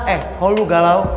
eh kalau lu galau